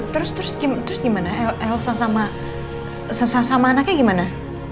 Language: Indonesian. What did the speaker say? terus terus gimana elsa sama anaknya gimana